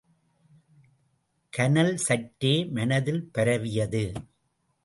கனல் சற்றே மனத்தில் பரவியது.